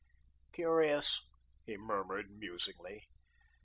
Hm, curious," he murmured, musingly.